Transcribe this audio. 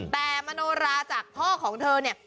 แต่มโนราจากพ่อของเธอเนี่ย